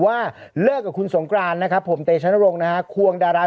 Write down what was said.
ว่าเลิกกับคุณสงกรานนะครับผมเตชนรงค์นะฮะควงดารา